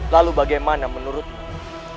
lalu bagaimana menurutmu